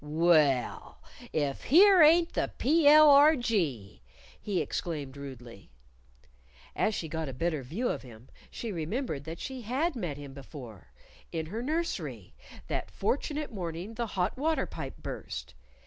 "Well, if here ain't the P.L.R.G.," he exclaimed rudely. As she got a better view of him she remembered that she had met him before in her nursery, that fortunate morning the hot water pipe burst.